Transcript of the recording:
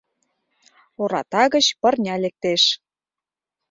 Ората гыч пырня лектеш